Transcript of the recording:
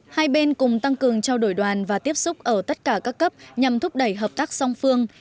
hai bên cùng tăng cường trao đổi đoàn và tiếp xúc ở tất cả các cấp nhằm thúc đẩy hợp tác song phương